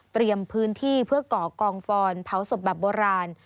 พื้นที่เพื่อก่อกองฟอนเผาศพแบบโบราณ